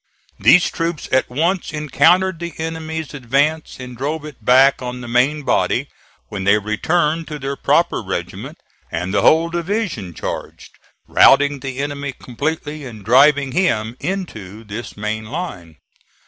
These troops at once encountered the enemy's advance and drove it back on the main body, when they returned to their proper regiment and the whole division charged, routing the enemy completely and driving him into this main line.